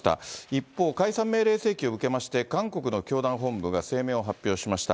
一方、解散命令請求を受けまして、韓国の教団本部が声明を発表しました。